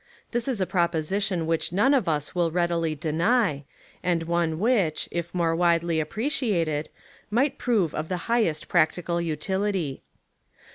This is a proposition which none of us will readily deny, and one which, if more widely appreciated, might prove of the highest practical utility.